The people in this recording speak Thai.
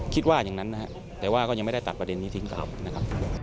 คิดว่าอย่างนั้นแต่ว่าก็ยังไม่ได้ตัดประเด็นนี้ทิ้งกลับ